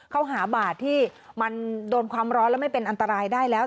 เขาหาบาดที่มันโดนความร้อนแล้วไม่เป็นอันตรายได้แล้ว